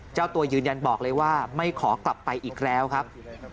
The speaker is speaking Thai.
เจ้าตัวยืนยันบอกเลยว่าไม่ขอกลับไปอีกแล้วครับ